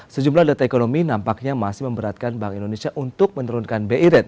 sejumlah data ekonomi nampaknya masih memberatkan bank indonesia untuk menurunkan bi rate